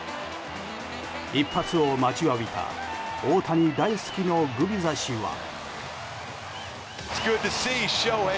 一発を待ちわびた大谷大好きのグビザ氏は。